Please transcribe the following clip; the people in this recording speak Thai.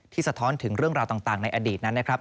ที่สะท้อนถึงเรื่องราวต่างในอดีตนั้น